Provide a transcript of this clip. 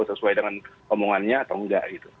sesuai dengan omongannya atau enggak gitu